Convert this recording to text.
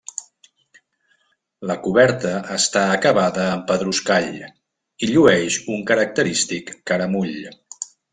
La coberta està acabada amb pedruscall i llueix un característic caramull.